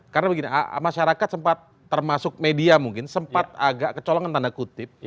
karena begini masyarakat sempat termasuk media mungkin sempat agak kecolongan tanda kutip